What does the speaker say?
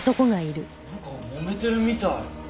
なんか揉めてるみたい。